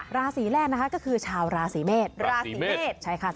ราศีแรกก็คือชาวราศีเมฆ